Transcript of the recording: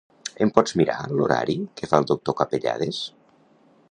Em pots mirar l'horari que fa el doctor Capellades?